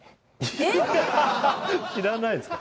知らないんですか？